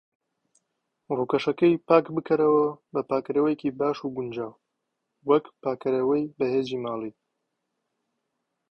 ڕوکەشەکەی پاک بکەرەوە بە پاکەرەوەی باش و گونجاو، وەک پاکەرەوەی بەهێزی ماڵی.